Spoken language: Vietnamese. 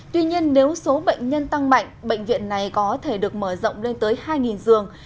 tuy nhiên nếu số bệnh nhân tăng mạnh bệnh viện này có thể được mở rộng lên tới hai giường